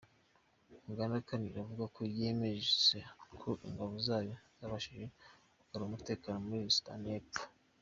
Uganda kandi iravuga yemeza ko ingabo zayo zabashije kugarura umutekano muri Sudany’Epfo.